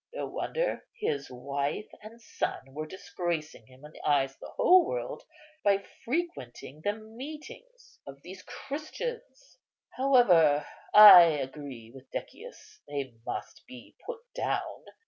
No wonder; his wife and son were disgracing him in the eyes of the whole world by frequenting the meetings of these Christians. However, I agree with Decius, they must be put down.